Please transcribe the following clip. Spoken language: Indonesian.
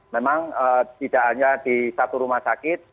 memang tidak hanya di satu rumah sakit